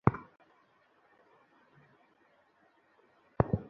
ওই ছুড়িটা বেশি ধারালো নয়তো?